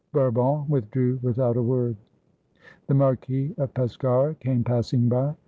Bourbon withdrew without a word. The Marquis of Pescara came passing by.